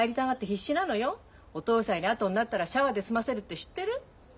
お父さんより後になったらシャワーで済ませるって知ってる？